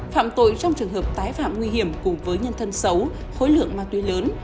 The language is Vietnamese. phạm tội trong trường hợp tái phạm nguy hiểm cùng với nhân thân xấu khối lượng ma túy lớn